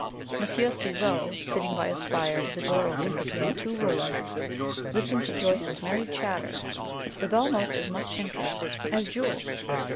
Monsieur Ciseaux, sitting by his fire with the door open between the two rooms, listened to Joyce's merry chatter with almost as much interest as Jules.